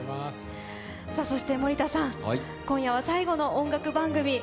そして森田さん、今夜は最後の音楽番組。